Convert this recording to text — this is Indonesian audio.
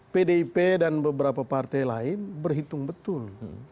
pdip dan beberapa partai lain berhitung betul